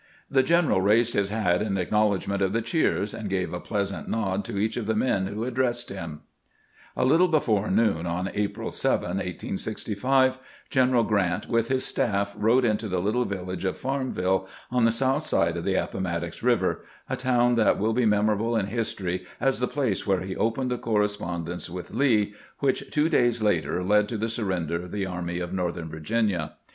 The general raised his hat in acknowledgment of the cheers, and gave a plea sant nod to each of the men who addressed him. 458 CAMPAIGNING WITH GBANT A little before noon on April 7, 1865, General Grant, with Ms staff, rode into tlie little village of Farmville, on the south side of the Appomattox River, a town that will be memorable in history as the place where he opened the correspondence with Lee which, two days later, led to the surrender of the Army of Northern Virginia.